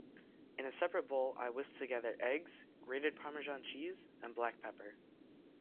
In a separate bowl, I whisk together eggs, grated Parmesan cheese, and black pepper.